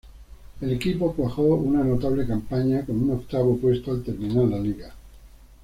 El equipo cuajó una notable campaña, con un octavo puesto al terminar la liga.